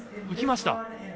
浮きました。